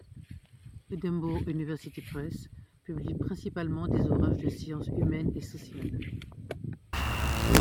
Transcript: Edinburgh University Press publie principalement des ouvrages de sciences humaines et sociales.